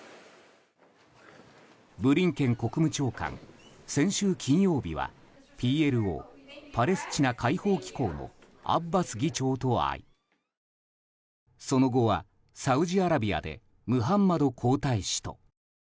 ブリンケン国務長官先週金曜日はＰＬＯ・パレスチナ解放機構のアッバス議長と会いその後は、サウジアラビアでムハンマド皇太子と。